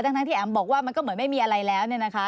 ทั้งที่แอ๋มบอกว่ามันก็เหมือนไม่มีอะไรแล้วเนี่ยนะคะ